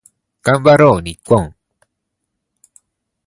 頑張ろう日本